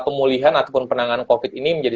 pemulihan ataupun penanganan covid ini menjadi